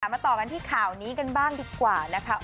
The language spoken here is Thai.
มาต่อกันที่ข่าวนี้กันบ้างดีกว่านะคะ